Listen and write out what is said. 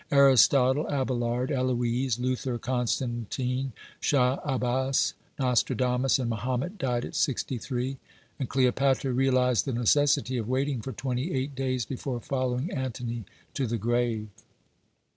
Aristotle, Abelard, Heloise, Luther, Constantine, Schah Abbas, Nostrodamus, and Mahomet died at sixty three ; and Cleopatra realised the necessity of waiting for twenty eight days before following Antony to the grave.